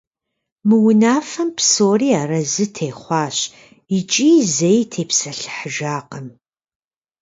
Мы унафэм псори аразы техъуащ икӏи зэи тепсэлъыхьыжакъым.